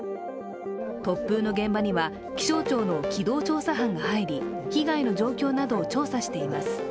突風の現場には、気象庁の機動調査班が入り、被害の状況などを調査しています。